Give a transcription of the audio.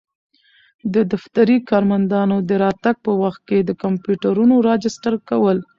د دفتري کارمندانو د راتګ په وخت کي د کمپیوټرونو راجستر کول.